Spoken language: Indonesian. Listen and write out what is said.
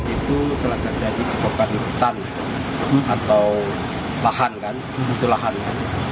itu telah terjadi beban hutan atau lahan kan butuh lahan